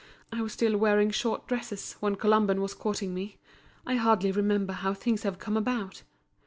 I was still wearing short dresses, when Colomban was courting me. I hardly remember how things have come about.